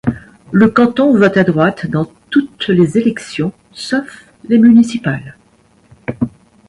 Le canton vote à droite dans toutes les élections sauf les municipales.